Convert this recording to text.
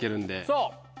そう。